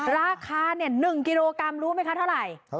ราคา๑กิโลกรัมรู้ไหมคะเท่าไหร่